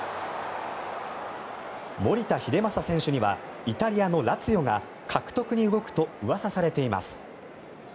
守田英正選手にはイタリアのラツィオが獲得に動くとうわさされています。